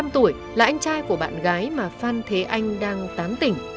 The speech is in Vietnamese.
một mươi năm tuổi là anh trai của bạn gái mà phan thế anh đang tán tỉnh